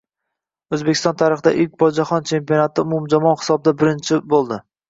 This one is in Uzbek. O‘zbekiston tarixda ilk bor jahon chempionatida umumjamoa hisobida birinchi bo‘lding